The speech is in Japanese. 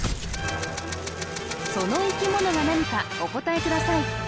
その生物が何かお答えください